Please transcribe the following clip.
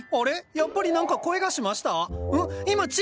やっぱり何か声がしました？